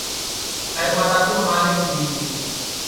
Air mataku mengalir di pipiku.